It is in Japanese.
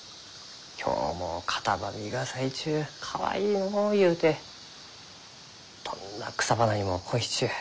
今日もカタバミが咲いちゅうかわいいのうゆうてどんな草花にも恋しちゅう。